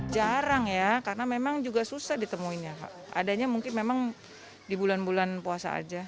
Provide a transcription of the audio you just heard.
jarang ya karena memang juga susah ditemuinya adanya mungkin memang di bulan bulan puasa aja